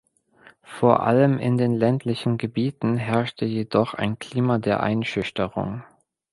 Vor allem in den ländlichen Gebieten herrschte jedoch ein Klima der Einschüchterung.